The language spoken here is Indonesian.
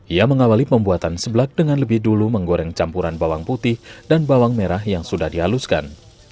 ia mengawali pembuatan seblak dengan lebih dulu menggoreng campuran bawang putih dan bawang merah yang sudah dihaluskan